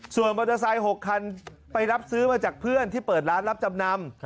ส่วนมอเตอร์ไซค์๖คันไปรับซื้อมาจากเพื่อนที่เปิดร้านรับจำนำ